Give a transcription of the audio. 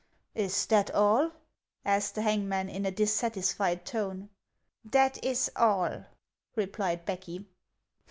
" Is that all ?" asked the hangman, in a dissatisfied tone. "That is all," replied Becky.